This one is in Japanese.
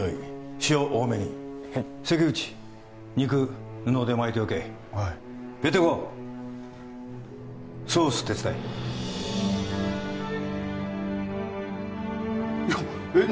塩多めにはい関口肉布で巻いておけペテ公ソース手伝ええッ